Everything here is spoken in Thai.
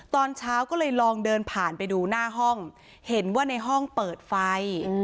ตอนเช้าก็เลยลองเดินผ่านไปดูหน้าห้องเห็นว่าในห้องเปิดไฟ